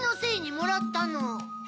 もらった？